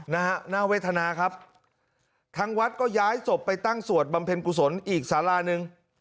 นะฮะน่าเวทนาครับทางวัดก็ย้ายศพไปตั้งสวดบำเพ็ญกุศลอีกสาราหนึ่ง